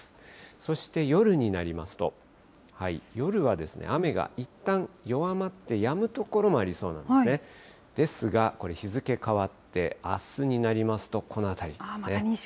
そして夜になりますと、夜は雨がいったん弱まってやむ所もありそうなんですね、ですが、これ、日付変わってあすになりますと、この辺り。